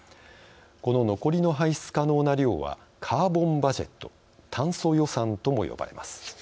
この残りの排出可能な量はカーボン・バジェット＝炭素予算とも呼ばれます。